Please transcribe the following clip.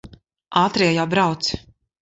Ātrie jau brauc.